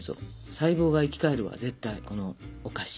細胞が生き返るわ絶対このお菓子。